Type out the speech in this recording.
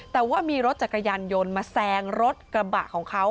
แต่ว่ามีรถจักรยานยนต์มาแซงรถกระบะของเขา